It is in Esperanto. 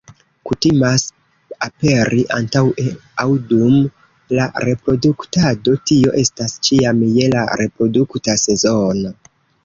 Kutimas aperi antaŭe aŭ dum la reproduktado, tio estas ĉiam je la reprodukta sezono.